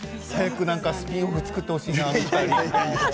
スピンオフを作ってほしいな。